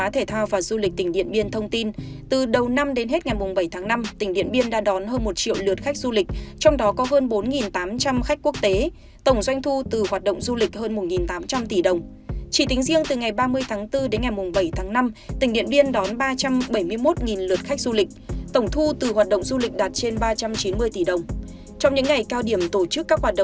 trong những ngày cao điểm tổ chức các hoạt động kỷ niệm bảy mươi năm chiến thắng điện biên phủ